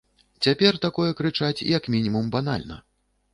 Цяпер такое крычаць як мінімум банальна.